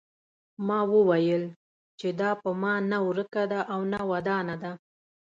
ما وویل چې دا په ما نه ورکه ده او نه ودانه ده.